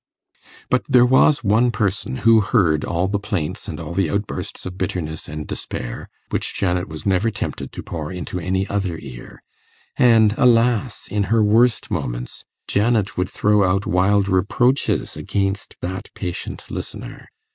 But there was one person who heard all the plaints and all the outbursts of bitterness and despair which Janet was never tempted to pour into any other ear; and alas! in her worst moments, Janet would throw out wild reproaches against that patient listener.